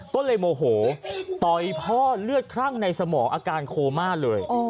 ก็เลยโมโหต่อยพ่อเลือดคลั่งในสมองอาการโคม่าเลย